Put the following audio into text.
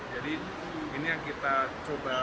jadi ini yang kita coba